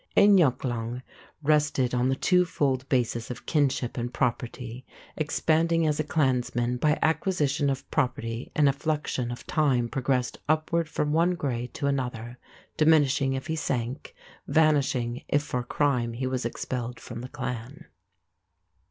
Eineachlann rested on the two fold basis of kinship and property, expanding as a clansman by acquisition of property and effluxion of time progressed upward from one grade to another; diminishing if he sank; vanishing if for crime he was expelled from the clan.